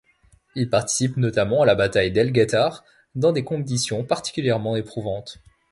Il participe notamment à la bataille d'El Guettar dans des conditions particulièrement éprouvantes.